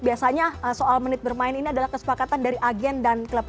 biasanya soal menit bermain ini adalah kesepakatan dari agen dan klub